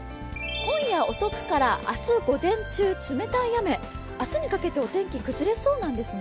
今夜遅くから明日午前中、冷たい雨明日にかけてお天気崩れそうなんですね。